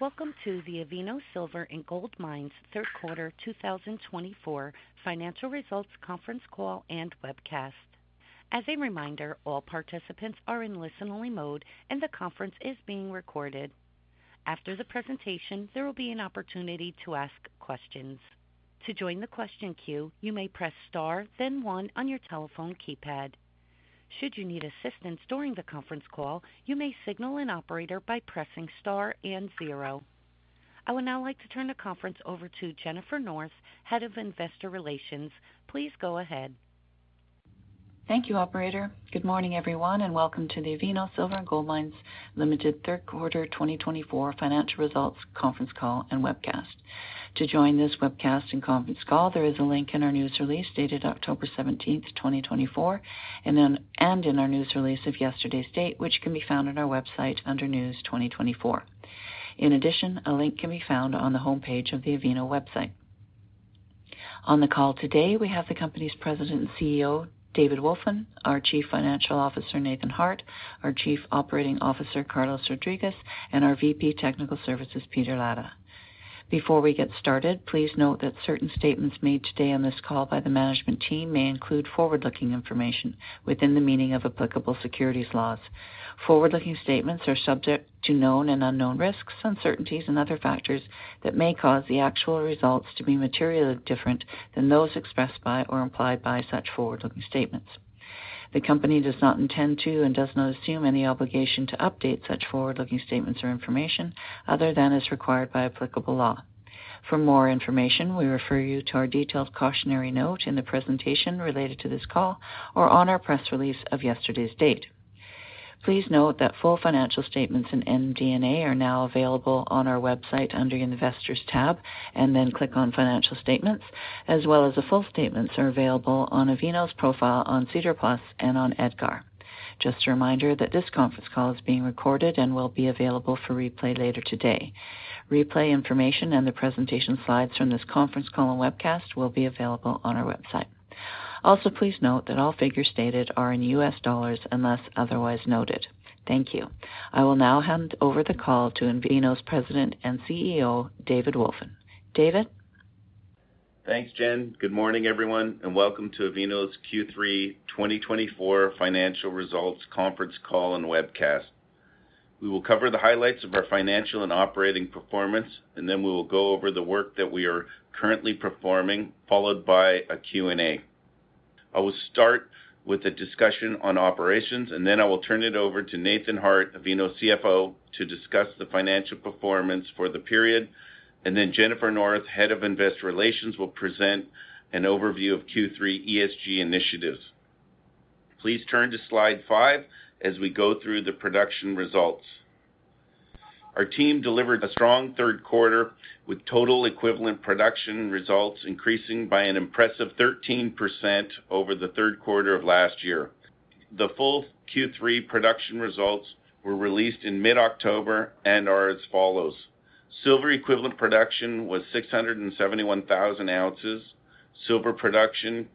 Welcome to the Avino Silver & Gold Mines Q3 2024 Financial Results Conference Call and Webcast. As a reminder, all participants are in listen-only mode, and the conference is being recorded. After the presentation, there will be an opportunity to ask questions. To join the question queue, you may press star, then one on your telephone keypad. Should you need assistance during the conference call, you may signal an operator by pressing star and zero. I would now like to turn the conference over to Jennifer North, Head of Investor Relations. Please go ahead. Thank you, Operator. Good morning, everyone, and welcome to the Avino Silver & Gold Mines Limited Q3 2024 Financial Results Conference Call and Webcast. To join this webcast and conference call, there is a link in our news release dated October 17th, 2024, and in our news release of yesterday's date, which can be found on our website under News 2024. In addition, a link can be found on the homepage of the Avino website. On the call today, we have the company's President and CEO, David Wolfin, our Chief Financial Officer, Nathan Harte, our Chief Operating Officer, Carlos Rodriguez, and our VP Technical Services, Peter Latta. Before we get started, please note that certain statements made today on this call by the management team may include forward-looking information within the meaning of applicable securities laws. Forward-looking statements are subject to known and unknown risks, uncertainties, and other factors that may cause the actual results to be materially different than those expressed by or implied by such forward-looking statements. The company does not intend to and does not assume any obligation to update such forward-looking statements or information other than as required by applicable law. For more information, we refer you to our detailed cautionary note in the presentation related to this call or on our press release of yesterday's date. Please note that full financial statements and MD&A are now available on our website under Investors tab, and then click on Financial Statements, as well as the full statements are available on Avino's profile on SEDAR+ and on EDGAR. Just a reminder that this conference call is being recorded and will be available for replay later today. Replay information and the presentation slides from this conference call and webcast will be available on our website. Also, please note that all figures stated are in U.S. dollars unless otherwise noted. Thank you. I will now hand over the call to Avino's President and CEO, David Wolfin. David. Thanks, Jen. Good morning, everyone, and welcome to Avino's Q3 2024 Financial Results Conference Call and Webcast. We will cover the highlights of our financial and operating performance, and then we will go over the work that we are currently performing, followed by a Q&A. I will start with a discussion on operations, and then I will turn it over to Nathan Harte, Avino's CFO, to discuss the financial performance for the period, and then Jennifer North, Head of Investor Relations, will present an overview of Q3 ESG initiatives. Please turn to slide five as we go through the production results. Our team delivered a strong Q3 with total equivalent production results increasing by an impressive 13% over the Q3 of last year. The full Q3 production results were released in mid-October and are as follows. Silver equivalent production was 671,000 ounces. Silver production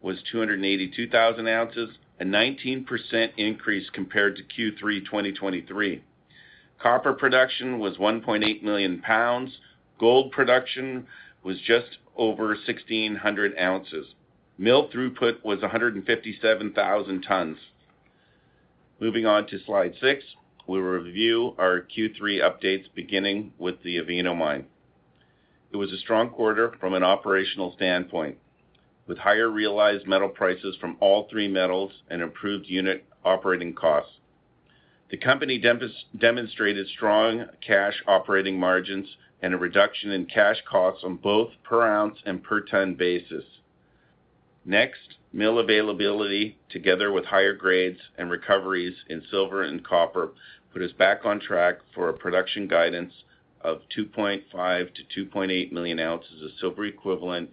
was 282,000 ounces, a 19% increase compared to Q3 2023. Copper production was 1.8 million lbs. Gold production was just over 1,600 ounces. Mill throughput was 157,000 tons. Moving on to slide six, we will review our Q3 updates beginning with the Avino Mine. It was a strong quarter from an operational standpoint, with higher realized metal prices from all three metals and improved unit operating costs. The company demonstrated strong cash operating margins and a reduction in cash costs on both per ounce and per ton basis. Next, mill availability, together with higher grades and recoveries in silver and copper, put us back on track for a production guidance of 2.5 to 2.8 million ounces of silver equivalent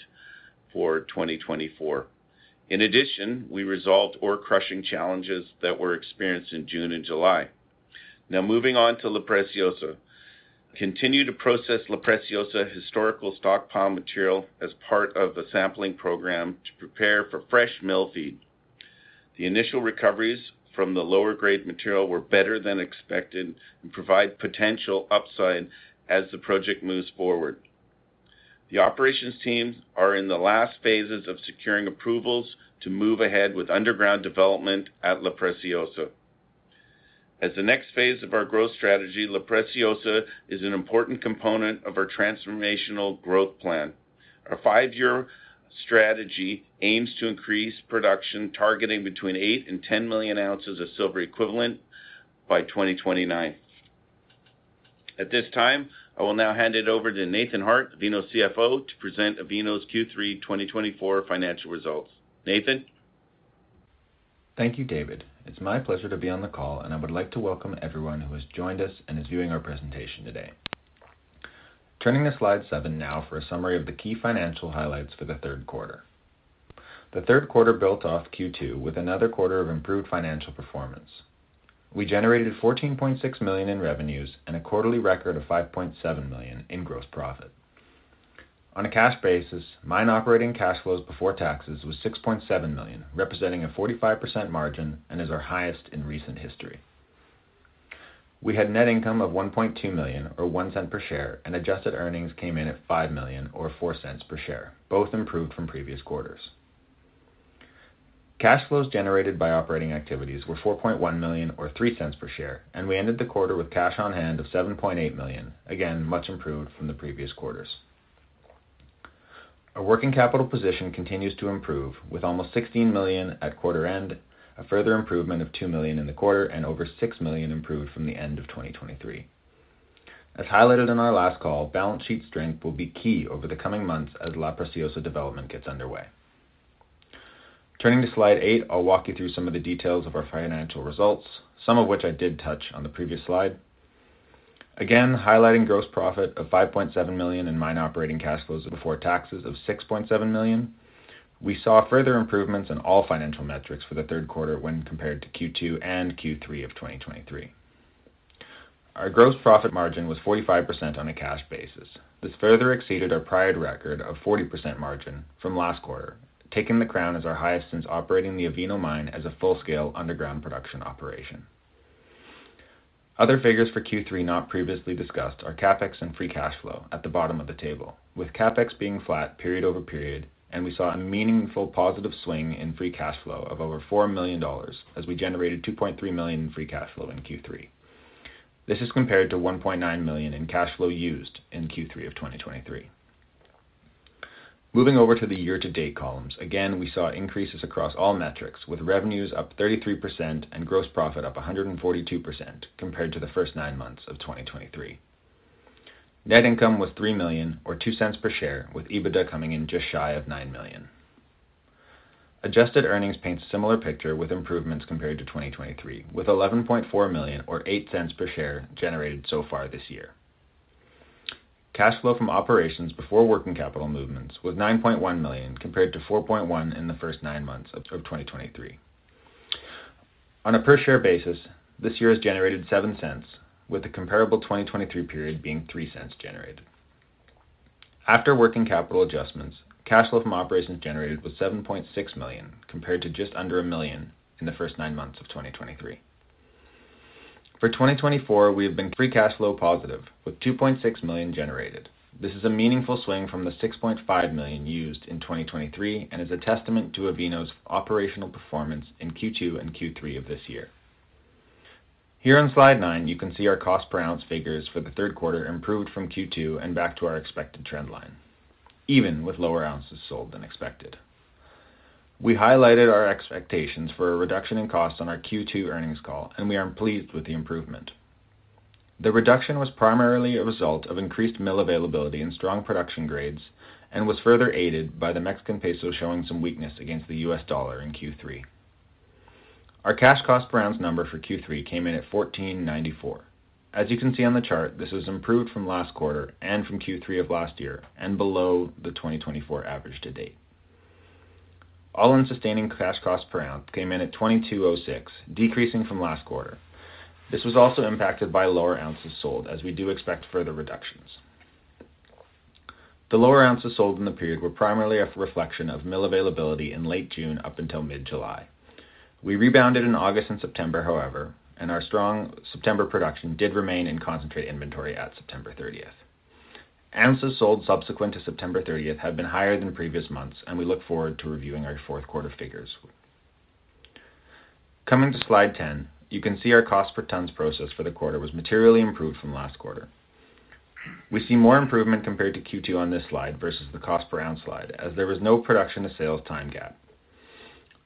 for 2024. In addition, we resolved ore crushing challenges that were experienced in June and July. Now, moving on to La Preciosa, continue to process La Preciosa historical stockpile material as part of the sampling program to prepare for fresh mill feed. The initial recoveries from the lower-grade material were better than expected and provide potential upside as the project moves forward. The operations teams are in the last phases of securing approvals to move ahead with underground development at La Preciosa. As the next phase of our growth strategy, La Preciosa is an important component of our transformational growth plan. Our five-year strategy aims to increase production targeting between 8 and 10 million ounces of silver equivalent by 2029. At this time, I will now hand it over to Nathan Harte, Avino CFO, to present Avino's Q3 2024 financial results. Nathan. Thank you, David. It's my pleasure to be on the call, and I would like to welcome everyone who has joined us and is viewing our presentation today. Turning to slide seven now for a summary of the key financial highlights for the Q3. The Q3 built off Q2 with another quarter of improved financial performance. We generated $14.6 million in revenues and a quarterly record of $5.7 million in gross profit. On a cash basis, mine operating cash flows before taxes was $6.7 million, representing a 45% margin and is our highest in recent history. We had net income of $1.2 million, or $0.01 per share, and adjusted earnings came in at $5 million, or $0.04 per share, both improved from previous quarters. Cash flows generated by operating activities were $4.1 million, or $0.03 per share, and we ended the quarter with cash on hand of $7.8 million, again, much improved from the previous quarters. Our working capital position continues to improve with almost $16 million at quarter end, a further improvement of $2 million in the quarter, and over $6 million improved from the end of 2023. As highlighted in our last call, balance sheet strength will be key over the coming months as La Preciosa development gets underway. Turning to slide eight, I'll walk you through some of the details of our financial results, some of which I did touch on the previous slide. Again, highlighting gross profit of $5.7 million in mine operating cash flows before taxes of $6.7 million, we saw further improvements in all financial metrics for the Q3 when compared to Q2 and Q3 of 2023. Our gross profit margin was 45% on a cash basis. This further exceeded our prior record of 40% margin from last quarter, taking the crown as our highest since operating the Avino Mine as a full-scale underground production operation. Other figures for Q3 not previously discussed are CapEx and free cash flow at the bottom of the table, with CapEx being flat period over period, and we saw a meaningful positive swing in free cash flow of over $4 million as we generated $2.3 million in free cash flow in Q3. This is compared to $1.9 million in cash flow used in Q3 of 2023. Moving over to the year-to-date columns, again, we saw increases across all metrics, with revenues up 33% and gross profit up 142% compared to the first nine months of 2023. Net income was $3 million, or $0.02 per share, with EBITDA coming in just shy of $9 million. Adjusted earnings paint a similar picture with improvements compared to 2023, with $11.4 million, or $0.08 per share, generated so far this year. Cash flow from operations before working capital movements was $9.1 million compared to $4.1 million in the first nine months of 2023. On a per-share basis, this year has generated $0.07, with a comparable 2023 period being $0.03 generated. After working capital adjustments, cash flow from operations generated was $7.6 million compared to just under $1 million in the first nine months of 2023. For 2024, we have been free cash flow positive, with $2.6 million generated. This is a meaningful swing from the $6.5 million used in 2023 and is a testament to Avino's operational performance in Q2 and Q3 of this year. Here on slide nine, you can see our cost per ounce figures for the Q3 improved from Q2 and back to our expected trendline, even with lower ounces sold than expected. We highlighted our expectations for a reduction in costs on our Q2 earnings call, and we are pleased with the improvement. The reduction was primarily a result of increased mill availability and strong production grades and was further aided by the Mexican peso showing some weakness against the US dollar in Q3. Our cash cost per ounce number for Q3 came in at $14.94. As you can see on the chart, this was improved from last quarter and from Q3 of last year and below the 2024 average to date. All-in sustaining cash cost per ounce came in at $22.06, decreasing from last quarter. This was also impacted by lower ounces sold as we do expect further reductions. The lower ounces sold in the period were primarily a reflection of mill availability in late June up until mid-July. We rebounded in August and September, however, and our strong September production did remain in concentrate inventory at September 30th. Ounces sold subsequent to September 30th had been higher than previous months, and we look forward to reviewing our Q4 figures. Coming to slide 10, you can see our cost per ton processed for the quarter was materially improved from last quarter. We see more improvement compared to Q2 on this slide versus the cost per ounce slide, as there was no production to sales time gap.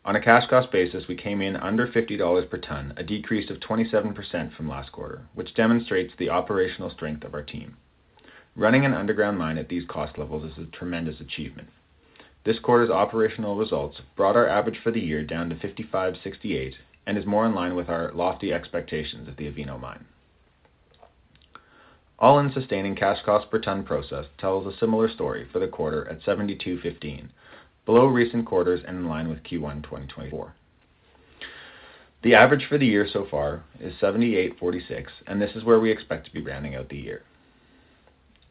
On a cash cost basis, we came in under $50 per ton, a decrease of 27% from last quarter, which demonstrates the operational strength of our team. Running an underground mine at these cost levels is a tremendous achievement. This quarter's operational results brought our average for the year down to $55.68 and is more in line with our lofty expectations at the Avino Mine. All-in sustaining cash cost per ton processed tells a similar story for the quarter at $72.15, below recent quarters and in line with Q1 2024. The average for the year so far is $78.46, and this is where we expect to be rounding out the year.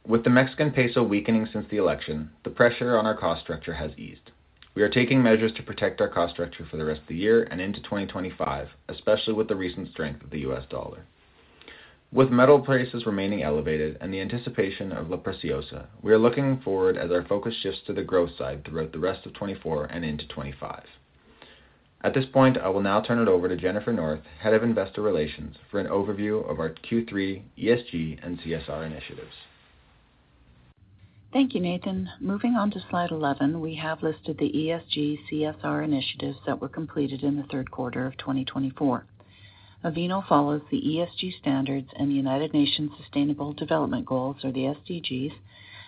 With the Mexican peso weakening since the election, the pressure on our cost structure has eased. We are taking measures to protect our cost structure for the rest of the year and into 2025, especially with the recent strength of the US dollar. With metal prices remaining elevated and the anticipation of La Preciosa, we are looking forward as our focus shifts to the growth side throughout the rest of 2024 and into 2025. At this point, I will now turn it over to Jennifer North, Head of Investor Relations, for an overview of our Q3 ESG and CSR initiatives. Thank you, Nathan. Moving on to slide 11, we have listed the ESG CSR initiatives that were completed in the Q3 of 2024. Avino follows the ESG standards and the United Nations Sustainable Development Goals, or the SDGs,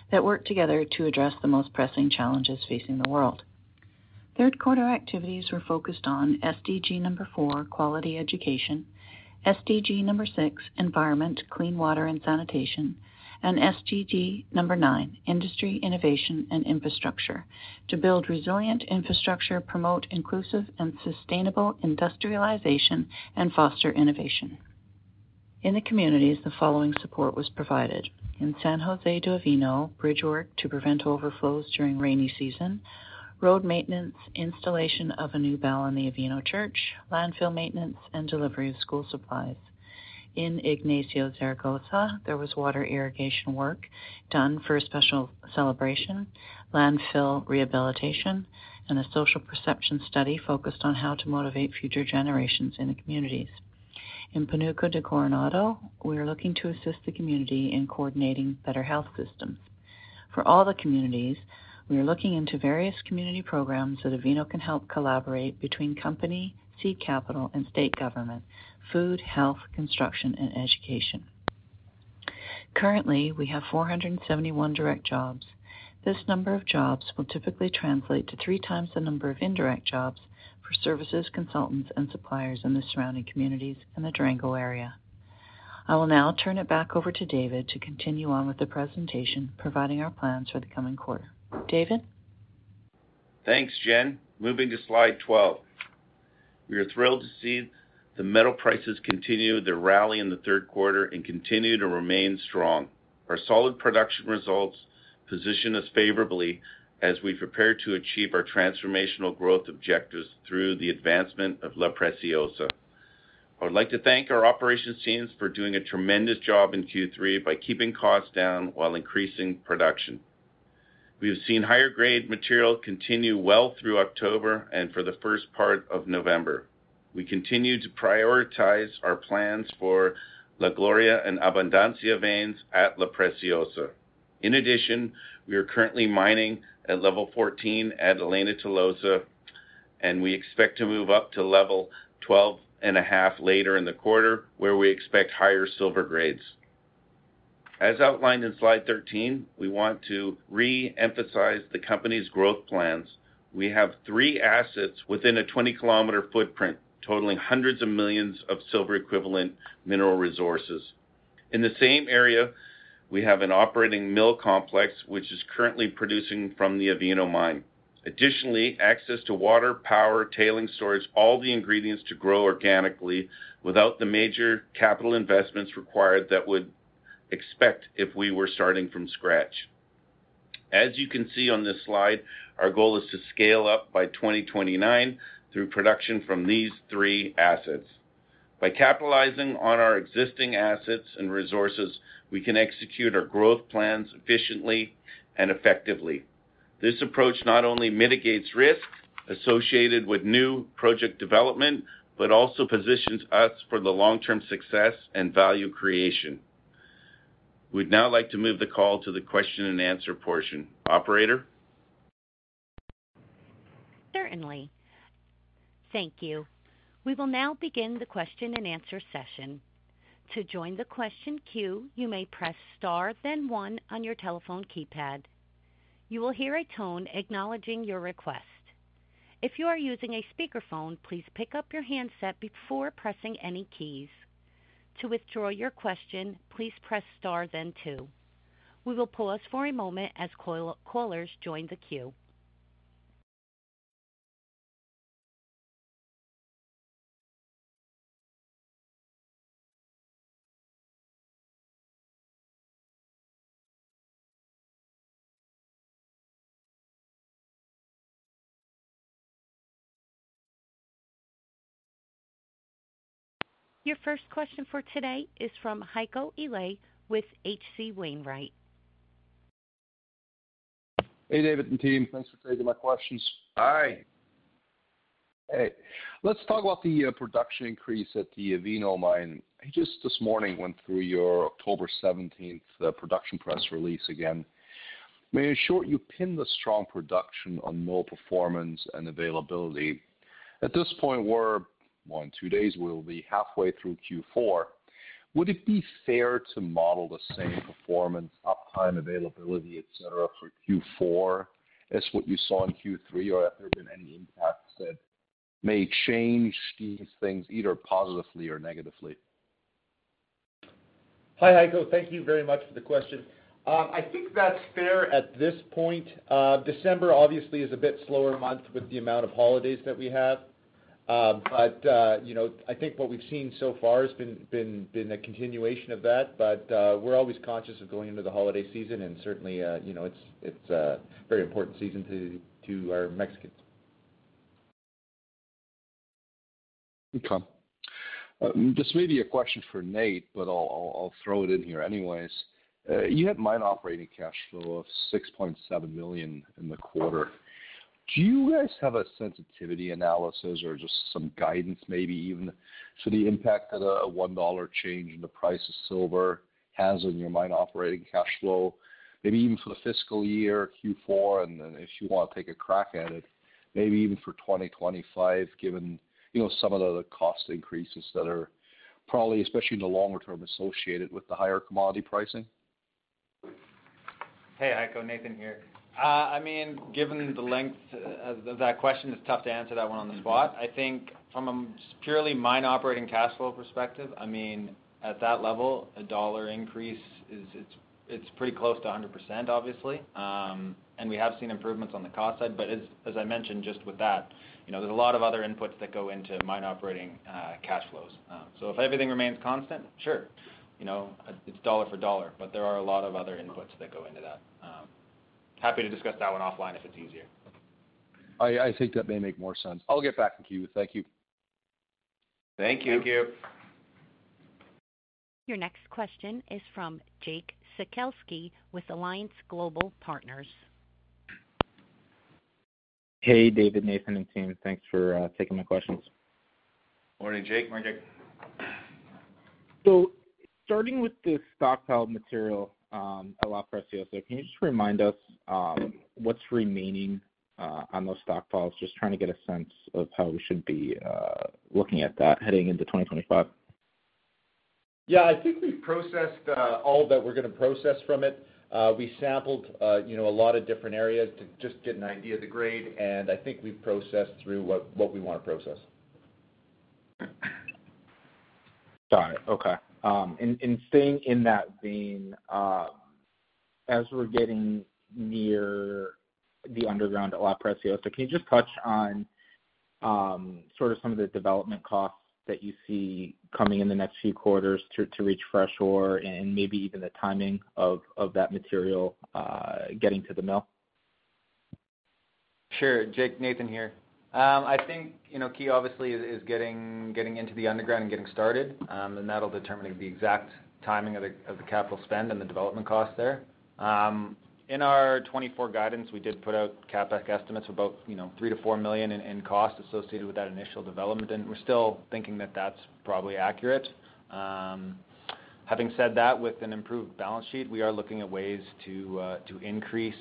that work together to address the most pressing challenges facing the world. Q3 activities were focused on SDG number four, Quality Education, SDG number six, Environment, Clean Water and Sanitation, and SDG number nine, Industry, Innovation and Infrastructure, to build resilient infrastructure, promote inclusive and sustainable industrialization, and foster innovation. In the communities, the following support was provided: in San José de Avino, bridge work to prevent overflows during rainy season, road maintenance, installation of a new bell in the Avino church, landfill maintenance, and delivery of school supplies. In Ignacio Zaragoza, there was water irrigation work done for a special celebration, landfill rehabilitation, and a social perception study focused on how to motivate future generations in the communities. In Pánuco de Coronado, we are looking to assist the community in coordinating better health systems. For all the communities, we are looking into various community programs that Avino can help collaborate between company, seed capital, and state government, food, health, construction, and education. Currently, we have 471 direct jobs. This number of jobs will typically translate to three times the number of indirect jobs for services, consultants, and suppliers in the surrounding communities and the Durango area. I will now turn it back over to David to continue on with the presentation, providing our plans for the coming quarter. David? Thanks, Jen. Moving to slide 12. We are thrilled to see the metal prices continue their rally in the Q3, and continue to remain strong. Our solid production results position us favorably as we prepare to achieve our transformational growth objectives through the advancement of La Preciosa. I would like to thank our operations teams for doing a tremendous job in Q3 by keeping costs down while increasing production. We have seen higher-grade material continue well through October and for the first part of November. We continue to prioritize our plans for La Gloria and Abundancia veins at La Preciosa. In addition, we are currently mining at level 14 at Elena Tolosa, and we expect to move up to level 12.5 later in the quarter, where we expect higher silver grades. As outlined in slide 13, we want to re-emphasize the company's growth plans. We have three assets within a 20-kilometer footprint totaling hundreds of millions of silver-equivalent mineral resources. In the same area, we have an operating mill complex, which is currently producing from the Avino Mine. Additionally, access to water, power, tailings storage, all the ingredients to grow organically without the major capital investments required that we would expect if we were starting from scratch. As you can see on this slide, our goal is to scale up by 2029 through production from these three assets. By capitalizing on our existing assets and resources, we can execute our growth plans efficiently and effectively. This approach not only mitigates risk associated with new project development, but also positions us for the long-term success and value creation. We'd now like to move the call to the question-and-answer portion. Operator? Certainly. Thank you. We will now begin the question-and-answer session. To join the question queue, you may press star, then one on your telephone keypad. You will hear a tone acknowledging your request. If you are using a speakerphone, please pick up your handset before pressing any keys. To withdraw your question, please press star, then two. We will pause for a moment as callers join the queue. Your first question for today is from Heiko Ihle with H.C. Wainwright. Hey, David and team. Thanks for taking my questions. Hi. Hey. Let's talk about the production increase at the Avino Mine. Just this morning, went through your October 17th production press release again. May I assure you pin the strong production on mill performance and availability. At this point, we're one or two days, we'll be halfway through Q4. Would it be fair to model the same performance, uptime, availability, et cetera, for Q4 as what you saw in Q3, or have there been any impacts that may change these things either positively or negatively? Hi, Heiko. Thank you very much for the question. I think that's fair at this point. December obviously is a bit slower month with the amount of holidays that we have. But I think what we've seen so far has been a continuation of that. But we're always conscious of going into the holiday season, and certainly, it's a very important season to our Mexicans. Okay. This may be a question for Nate, but I'll throw it in here anyways. You had mine operating cash flow of $6.7 million in the quarter. Do you guys have a sensitivity analysis or just some guidance, maybe even for the impact that a $1 change in the price of silver has on your mine operating cash flow, maybe even for the fiscal year, Q4, and then if you want to take a crack at it, maybe even for 2025, given some of the cost increases that are probably, especially in the longer term, associated with the higher commodity pricing? Hey, Heiko. Nathan here. I mean, given the length of that question, it's tough to answer that one on the spot. I think from a purely mine operating cash flow perspective, I mean, at that level, a $1 increase, it's pretty close to 100%, obviously. And we have seen improvements on the cost side. But as I mentioned, just with that, there's a lot of other inputs that go into mine operating cash flows. So if everything remains constant, sure, it's dollar for dollar, but there are a lot of other inputs that go into that. Happy to discuss that one offline if it's easier. I think that may make more sense. I'll get back in queue. Thank you. Thank you. Thank you. Your next question is from Jake Sekelsky with Alliance Global Partners. Hey, David, Nathan, and team. Thanks for taking my questions. Morning, Jake. Morning, Jake. So starting with the stockpile material at La Preciosa, can you just remind us what's remaining on those stockpiles, just trying to get a sense of how we should be looking at that heading into 2025? Yeah. I think we've processed all that we're going to process from it. We sampled a lot of different areas to just get an idea of the grade, and I think we've processed through what we want to process. Got it. Okay. And staying in that vein, as we're getting near the underground at La Preciosa, can you just touch on sort of some of the development costs that you see coming in the next few quarters to reach freshwater and maybe even the timing of that material getting to the mill? Sure. Jake, Nathan here. I think key obviously is getting into the underground and getting started, and that'll determine the exact timing of the capital spend and the development cost there. In our 2024 guidance, we did put out CapEx estimates of about $3-$4 million in cost associated with that initial development, and we're still thinking that that's probably accurate. Having said that, with an improved balance sheet, we are looking at ways to increase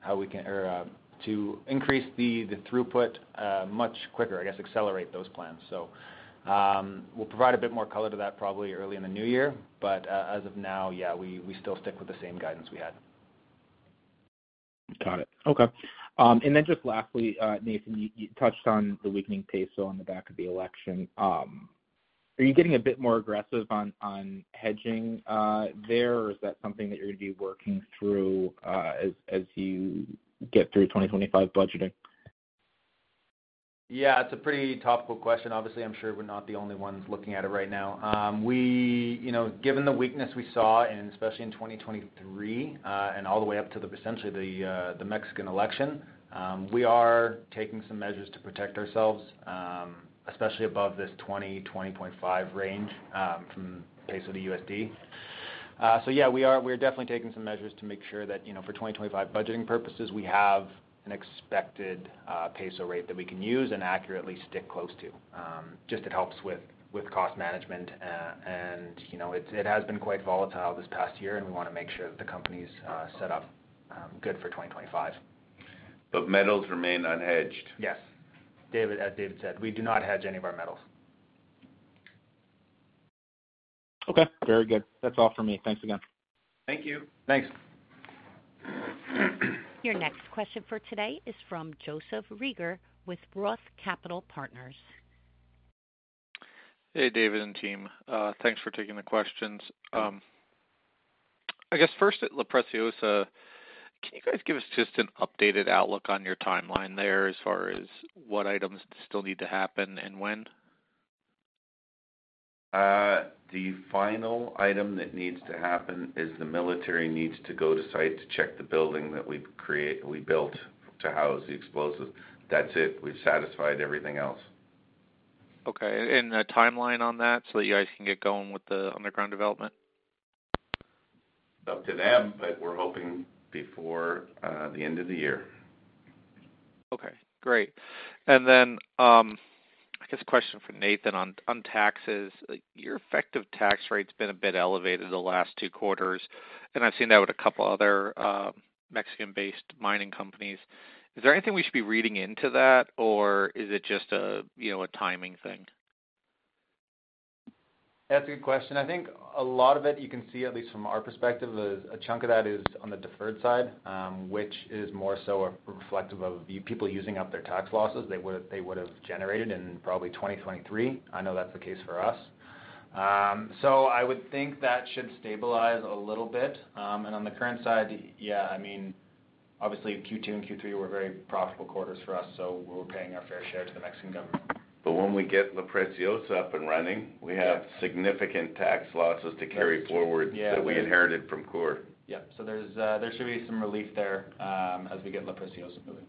how we can or to increase the throughput much quicker, I guess, accelerate those plans. So we'll provide a bit more color to that probably early in the new year. But as of now, yeah, we still stick with the same guidance we had. Got it. Okay. And then just lastly, Nathan, you touched on the weakening peso on the back of the election. Are you getting a bit more aggressive on hedging there, or is that something that you're going to be working through as you get through 2025 budgeting? Yeah. It's a pretty topical question. Obviously, I'm sure we're not the only ones looking at it right now. Given the weakness we saw, and especially in 2023 and all the way up to essentially the Mexican election, we are taking some measures to protect ourselves, especially above this 20-20.5 range from peso to USD. So yeah, we are definitely taking some measures to make sure that for 2025 budgeting purposes, we have an expected peso rate that we can use and accurately stick close to. Just it helps with cost management, and it has been quite volatile this past year, and we want to make sure that the company's set up good for 2025. But metals remain unhedged. Yes. As David said, we do not hedge any of our metals. Okay. Very good. That's all for me. Thanks again. Thank you. Thanks. Your next question for today is from Joseph Reagor with Roth Capital Partners. Hey, David and team. Thanks for taking the questions. I guess first at La Preciosa, can you guys give us just an updated outlook on your timeline there as far as what items still need to happen and when? The final item that needs to happen is the military needs to go to site to check the building that we built to house the explosives. That's it. We've satisfied everything else. Okay. And a timeline on that so that you guys can get going with the underground development? It's up to them, but we're hoping before the end of the year. Okay. Great. And then I guess, question for Nathan on taxes. Your effective tax rate's been a bit elevated the last two quarters, and I've seen that with a couple of other Mexican-based mining companies. Is there anything we should be reading into that, or is it just a timing thing? That's a good question. I think a lot of it, you can see at least from our perspective, a chunk of that is on the deferred side, which is more so reflective of people using up their tax losses they would have generated in probably 2023. I know that's the case for us, so I would think that should stabilize a little bit, and on the current side, yeah, I mean, obviously, Q2 and Q3 were very profitable quarters for us, so we're paying our fair share to the Mexican government. But when we get La Preciosa up and running, we have significant tax losses to carry forward that we inherited from Coeur. Yeah. So there should be some relief there as we get La Preciosa moving.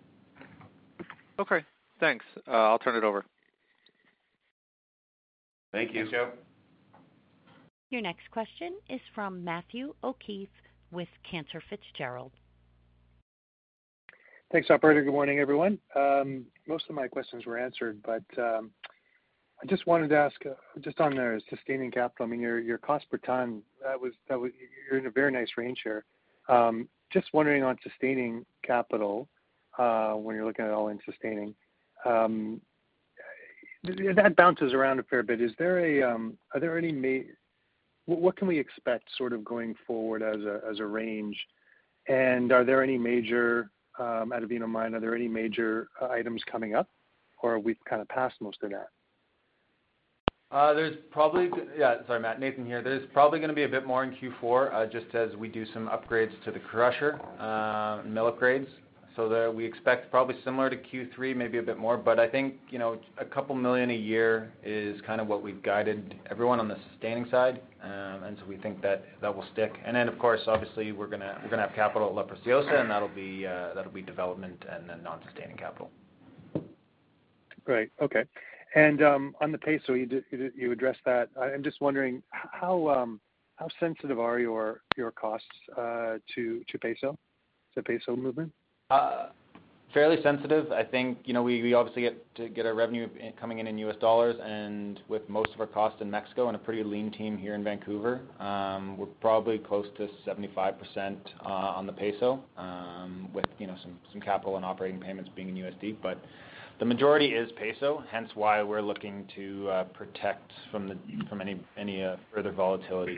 Okay. Thanks. I'll turn it over. Thank you. Thanks, Joe. Your next question is from Matthew O'Keefe with Cantor Fitzgerald. Thanks, Operator. Good morning, everyone. Most of my questions were answered, but I just wanted to ask just on the sustaining capital. I mean, your cost per ton, you're in a very nice range here. Just wondering on sustaining capital when you're looking at all in sustaining, that bounces around a fair bit. Are there any? What can we expect sort of going forward as a range? And are there any major at Avino Mine, are there any major items coming up, or are we kind of past most of that? There's probably. Yeah, sorry, Matt, Nathan here. There's probably going to be a bit more in Q4 just as we do some upgrades to the crusher and mill upgrades. So we expect probably similar to Q3, maybe a bit more. But I think $2 million a year is kind of what we've guided everyone on the sustaining side. And so we think that that will stick. And then, of course, obviously, we're going to have capital at La Preciosa, and that'll be development and then non-sustaining capital. Great. Okay. And on the peso, you addressed that. I'm just wondering, how sensitive are your costs to peso, to peso movement? Fairly sensitive. I think we obviously get our revenue coming in in US dollars, and with most of our costs in Mexico and a pretty lean team here in Vancouver, we're probably close to 75% on the peso with some capital and operating payments being in USD. But the majority is peso, hence why we're looking to protect from any further volatility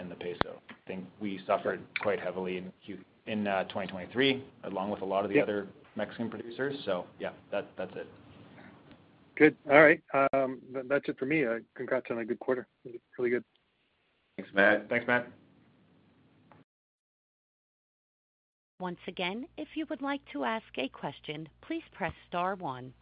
in the peso. I think we suffered quite heavily in 2023 along with a lot of the other Mexican producers. So yeah, that's it. Good. All right. That's it for me. Congrats on a good quarter. Really good. Thanks, Matt. Thanks, Matt. Once again, if you would like to ask a question, please press star one.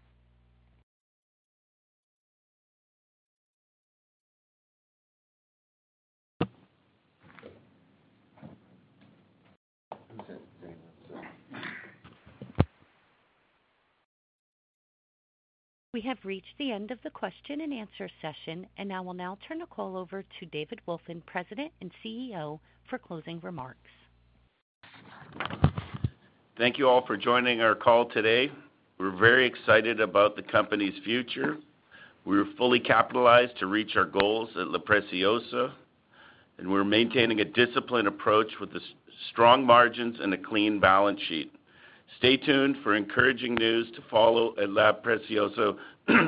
We have reached the end of the question and answer session, and I will now turn the call over to David Wolfin, President and CEO, for closing remarks. Thank you all for joining our call today. We're very excited about the company's future. We are fully capitalized to reach our goals at La Preciosa, and we're maintaining a disciplined approach with strong margins and a clean balance sheet. Stay tuned for encouraging news to follow at La Preciosa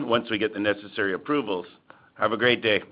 once we get the necessary approvals. Have a great day.